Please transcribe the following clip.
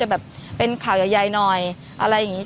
หลากหลายรอดอย่างเดียว